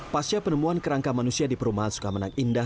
pasca penemuan kerangka manusia di perumahan sukamenang indah